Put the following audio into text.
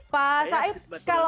pak said kalau